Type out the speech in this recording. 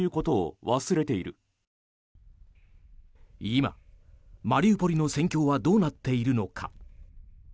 今、マリウポリの戦況はどうなっているのか。